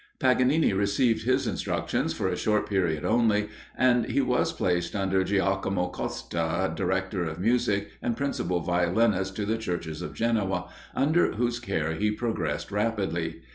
Paganini received his instructions for a short period only, and he was placed under Giacomo Costa, director of music, and principal violinist to the churches of Genoa, under whose care he progressed rapidly.